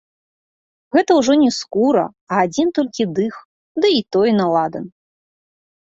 Гэта ўжо не скура, а адзін толькі дых, ды і той на ладан.